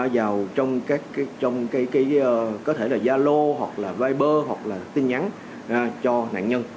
vào trong cái có thể là gia lô hoặc là viper hoặc là tin nhắn cho nạn nhân